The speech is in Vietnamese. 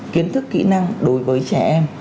kiến thức kỹ năng đối với trẻ em